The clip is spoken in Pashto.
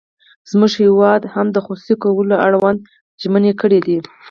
زموږ هېواد هم د خصوصي کولو اړوند ژمنې کړې دي.